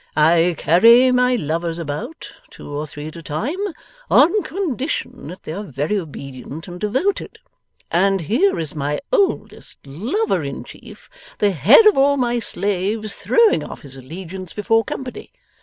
I carry my lovers about, two or three at a time, on condition that they are very obedient and devoted; and here is my oldest lover in chief, the head of all my slaves, throwing off his allegiance before company!